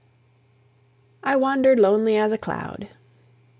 I WANDERED LONELY AS A CLOUD.